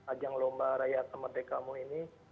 ajang lomba rayakan merdekamu ini